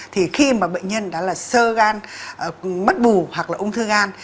thì khi mà bệnh nhân đó là sơ gan mất bù hoặc là ung thư gan